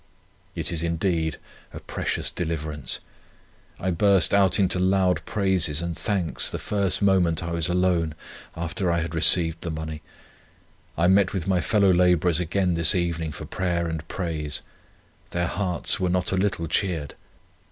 It is indeed a precious deliverance. I burst out into loud praises and thanks the first moment I was alone, after I had received the money. I met with my fellow labourers again this evening for prayer and praise; their hearts were not a little cheered.